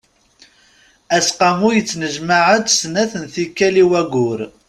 Aseqqamu yettnejmaε-d snat tikal i wayyur.